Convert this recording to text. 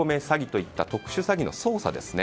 詐欺といった特殊詐欺の捜査。